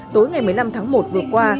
tối ngày một mươi năm tháng một vừa qua